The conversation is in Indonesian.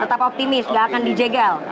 tetap optimis tidak akan dijagal